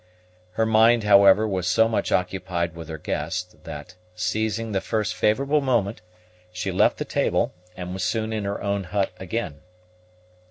Her mind, however, was so much occupied with her guest, that, seizing the first favorable moment, she left the table, and was soon in her own hut again.